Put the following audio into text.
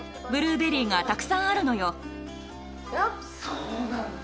そうなんだ。